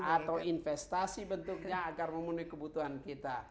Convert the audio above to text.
atau investasi bentuknya agar memenuhi kebutuhan kita